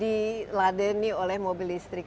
di ladeni oleh mobil listrik